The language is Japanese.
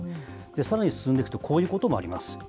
さらに進んでいくとこういうこともあります。